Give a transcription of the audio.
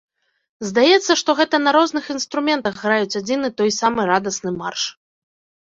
Здаецца, што гэта на розных інструментах граюць адзін і той самы радасны марш.